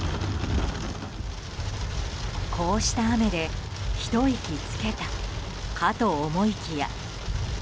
こうした雨でひと息つけたかと思いきや。